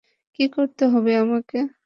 কী করতে হবে আমাকে?